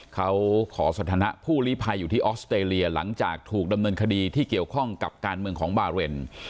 เขาขอสถานะผู้ลีภัยอยู่ที่ออสเตรเลียหลังจากถูกดำเนินคดีที่เกี่ยวข้องกับการเมืองของบาเรน